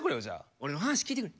俺の話聞いてくれ。